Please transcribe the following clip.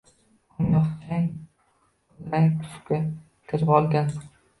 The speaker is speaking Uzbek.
Hammayoq chang, kulrang tusga kirib olgan